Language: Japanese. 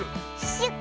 シュッ！